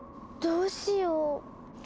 どうしよう。